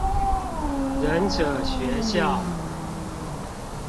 忍者學校